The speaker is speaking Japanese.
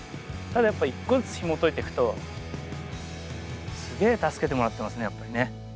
ただやっぱ一個ずつひもといてくとすげえ助けてもらってますねやっぱりね。